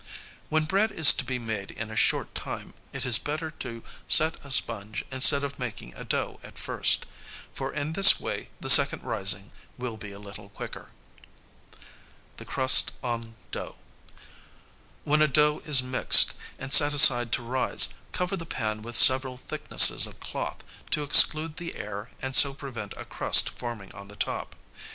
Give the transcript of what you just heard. When bread is to be made in a short time, it is better to set a sponge instead of making a dough at first; for in this way the second rising will be a little quicker. [Sidenote: The crust on dough.] When a dough is mixed and set aside to rise, cover the pan with several thicknesses of cloth to exclude the air and so prevent a crust forming on the top.